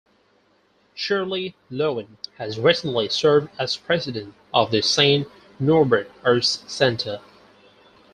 Shirley Loewen has recently served as president of the Saint Norbert Arts Centre.